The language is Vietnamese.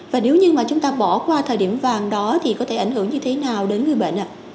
và nếu như mà chúng ta bỏ qua thời điểm vàng đó thì có thể ảnh hưởng như thế nào đến người bệnh